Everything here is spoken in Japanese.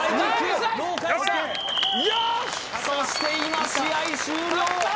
そして今試合終了！